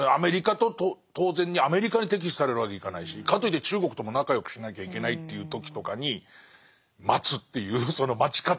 当然にアメリカに敵視されるわけにはいかないしかといって中国とも仲良くしなきゃいけないっていう時とかに待つっていうその待ち方。